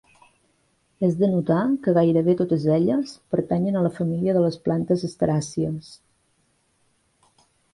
És de notar que gairebé totes elles pertanyen a la família de les plantes Asteràcies.